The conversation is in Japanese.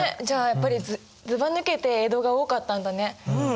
じゃあやっぱりずばぬけて江戸が多かったんだね。